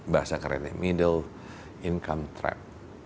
bahasa kerennya middle income trap